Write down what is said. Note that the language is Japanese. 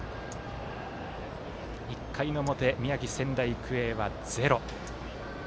１回の表、宮城、仙台育英はゼロ。